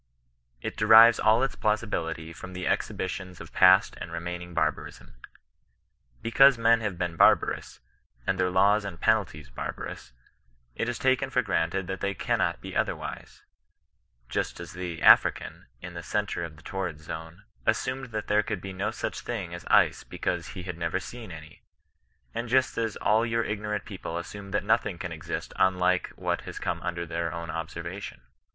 It derives all its plausibility from the exhibitions of past and remaining barbarism. Because men have been barbarous, and their laws and penalties barbarous, it is taken for granted that they cannot be otherwise ; just as the African, in the centre of the tor rid zone, assumed that there could be no such thing as ice because he had never seen any ; and just as all your ignorant people assume that nothing can exist unlike what has come under their own observation.